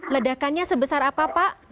ledakannya sebesar apa pak